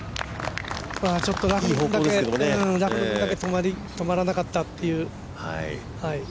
ちょっとラフの分だけ止まらなかったっていう。